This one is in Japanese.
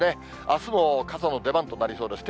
あすも傘の出番となりそうです。